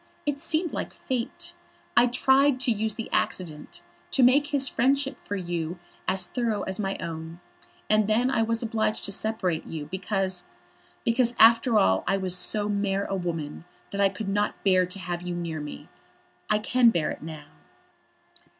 It seemed like Fate. I tried to use the accident, to make his friendship for you as thorough as my own. And then I was obliged to separate you, because, because, after all I was so mere a woman that I could not bear to have you near me. I can bear it now."